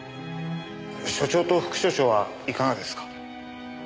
署長と副署長はいかがですか？